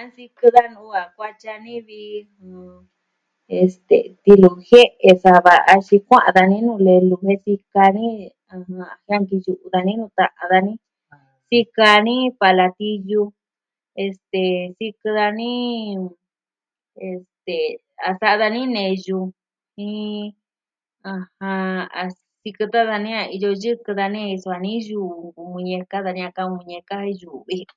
A sikɨ da nu'u a kuatyi dani vi este tiluu jie'e axin kua'an dani nuu lelu jen sikɨ dani jen sikɨ dani a yɨyu'u dani a jiankɨyu'u dani nuu ta'an dani, sikɨ dani palatiyu, este sikɨ dani a sa'a dani neyu jin a sikɨ tan dani a iyo yikɨn tyu'un dani yuu nkuvi muñeka dani a ka'an on muñeka jen yuu vi ji.